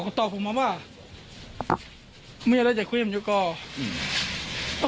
ของเจ้าตายไปเลยพี่ไหนรู้หว่า